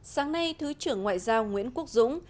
sáng nay thứ trưởng ngoại giao nguyễn quốc dũng